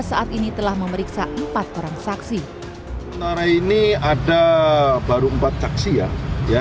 saat ini telah memeriksa empat orang saksi nara ini ada baru empat saksi ya ya